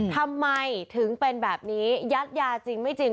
ทำไมถึงเป็นแบบนี้ยัดยาจริงไม่จริง